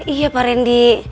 iya pak rendy